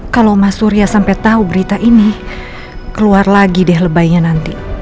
kalau mas surya sampai tahu berita ini keluar lagi deh lebaynya nanti